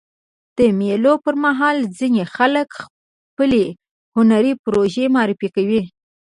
د مېلو پر مهال ځيني خلک خپلي هنري پروژې معرفي کوي.